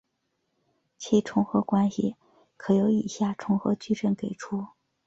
其重合关系可由以下重合矩阵给出。